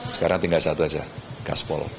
sekarang tinggal satu saja gaspol